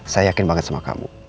saya yakin banget sama kamu